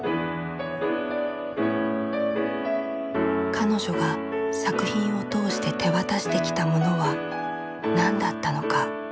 彼女が作品を通して手渡してきたものは何だったのか。